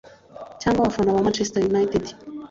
Cyangwa abafana ba Manchester United